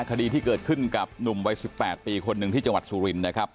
คดีที่เกิดขึ้นกับหนุ่มวัย๑๘ปีคนหนึ่งที่จังหวัดสุรินนะครับ